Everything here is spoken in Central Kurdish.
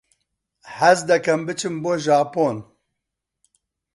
حەز دەکەم بچم بۆ ژاپۆن.